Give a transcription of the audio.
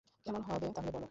কেমন হবে তাহলে বল?